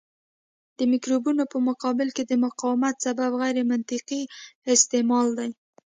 د مکروبونو په مقابل کې د مقاومت سبب غیرمنطقي استعمال دی.